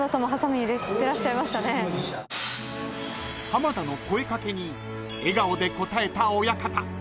［浜田の声掛けに笑顔で応えた親方］